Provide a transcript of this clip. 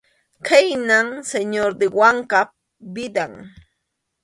Khaynam Señor de Wankap vidan.